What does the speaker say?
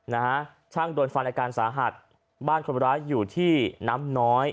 นะฮะช่างโดนฟันอาการสาหัสบ้านคนร้ายอยู่ที่น้ำน้อย